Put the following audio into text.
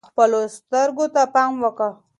خپلو سترګو ته پام کوئ.